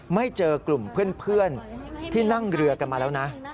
ไม่เจอกลุ่มเพื่อนที่นั่งเรือกันมาแล้วนะ